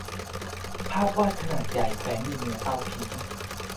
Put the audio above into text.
ภาพวาดขนาดใหญ่แขวนอยู่เหนือเตาผิง